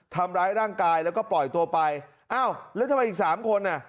ทำร้ายร่างกายแล้วก็ปล่อยตัวไปอ้าวแล้วทำไมอีกสามคนอ่ะ